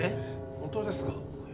本当ですか？